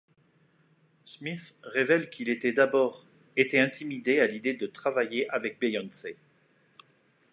Smith révèle qu'il était d'abord été intimidé à l'idée de travailler avec Beyoncé.